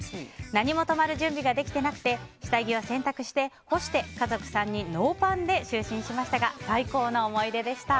何も泊まる準備ができていなくて下着は洗濯して干して家族３人でノーパンで就寝しましたが最高の思い出でした。